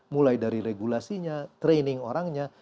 mulai dari regulasinya training orangnya